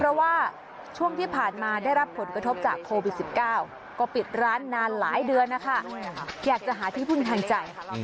เพราะว่าช่วงที่ผ่านมาได้รับผลกระทบจากโควิด๑๙ก็ปิดร้านนานหลายเดือนนะคะอยากจะหาที่พึ่งทางใจ